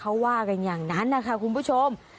เขาว่ากันอย่างนั้นนะคะคุณผู้ชม